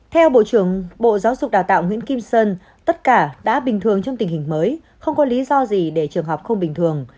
theo bộ trưởng bộ giáo dục đào tạo nguyễn kim sơn tất cả đã bình thường trong tình hình mới không có lý do gì để trường học không bình thường